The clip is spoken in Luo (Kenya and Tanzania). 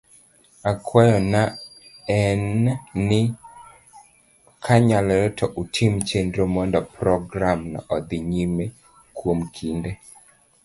Akwayo na en ni kanyalore to utim chenro mondo programno odhi nyime kuom kinde